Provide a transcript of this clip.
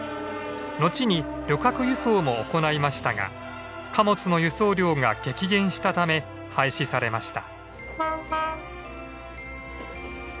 後に旅客輸送も行いましたが貨物の輸送量が激減したため廃止されました。